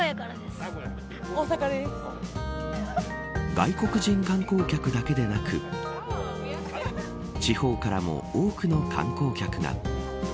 外国人観光客だけでなく地方からも多くの観光客が。